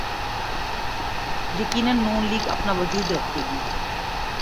یقینا نون لیگ اپنا وجود رکھے گی۔